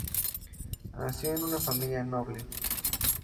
Nació en una familia noble.